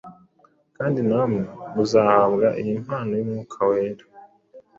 kandi namwe muzahabwa iyi mpano y’Umwuka Wera